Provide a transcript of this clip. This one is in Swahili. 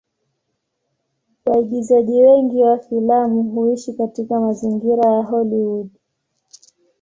Waigizaji wengi wa filamu huishi katika mazingira ya Hollywood.